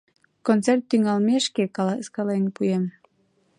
Концерт тӱҥалмешке каласкален пуэм.